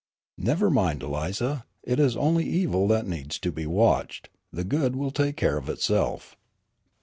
"Never mind, Eliza, it is only evil that needs to be watched, the good will take care of itself."